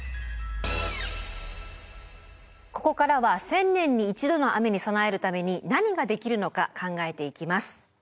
ここからは１０００年に１度の雨に備えるために何ができるのか考えていきます。